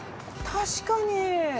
確かに。